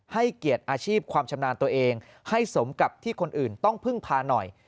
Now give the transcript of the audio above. เกียรติอาชีพความชำนาญตัวเองให้สมกับที่คนอื่นต้องพึ่งพาหน่อย